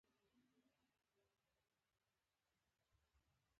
• لمر د کائنات یوه بې اندازې انرژي تولیدوي.